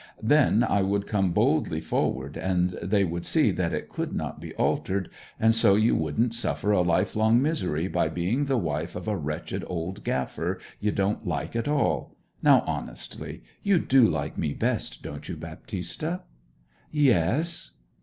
Then I would come boldly forward; and they would see that it could not be altered, and so you wouldn't suffer a lifelong misery by being the wife of a wretched old gaffer you don't like at all. Now, honestly; you do like me best, don't you, Baptista?' 'Yes.'